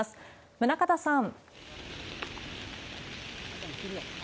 宗像さん。